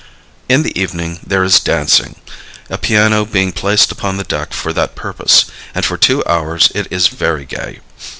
In the evening there is dancing, a piano being placed upon the deck for that purpose, and for two hours it is very gay.